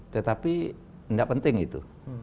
tetapi tidak penting itu